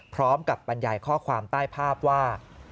พร้อมกับบรรยายข้อความใต้ภาพว่า